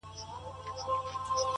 راځه رحچيږه بيا په قهر راته جام دی پير،